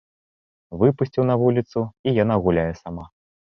Выпусціў на вуліцу, і яна гуляе сама.